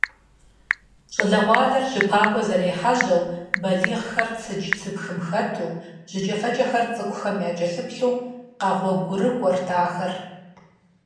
ЩӀалэгъуалэр щыпакӀуэ зэрехьэжьэу, балигъхэр цыдж–цыпхым хэту, жыкӀэфэкӀэхэр цӀыкӀухэм якӀэлъыплъу къэгъуэгурыкӀуэрт ахэр.